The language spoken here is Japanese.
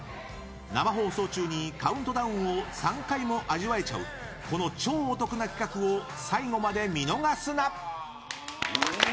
生放送中にカウントダウンを３回も味わえちゃうこの超お得な企画を最後まで見逃すな！